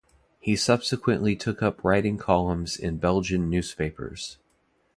He subsequently took up writing columns in Belgian newspapers.